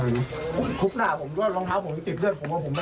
รองเท้ารองเท้ารองเท้ารองเท้ารองเท้ารองเท้า